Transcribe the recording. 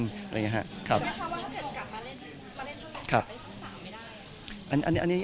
คุณค่ะว่าถ้าเคยกลับมาเล่นมาเล่นช่องอันตรีมันไหมแล้วช่อง๓ไม่ได้